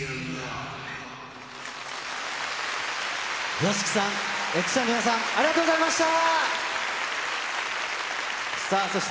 ＹＯＳＨＩＫＩさん、ＸＹの皆さん、ありがとうございました。